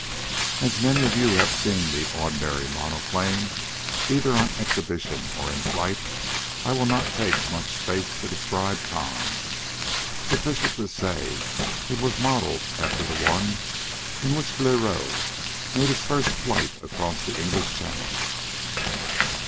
As many of you have seen the ordinary monoplane, either on exhibition or in flight, I will not take much space to describe Tom's. Sufficient to say it was modeled after the one in which Bleriot made his first flight across the English channel.